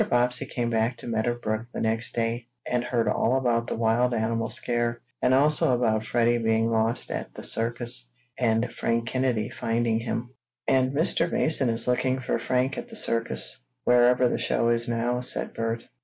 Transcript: Bobbsey came back to Meadow Brook the next day, and heard all about the wild animal scare, and also about Freddie being lost at the circus, and Frank Kennedy finding him. "And Mr. Mason is looking for Frank at the circus, wherever the show is now," said Bert.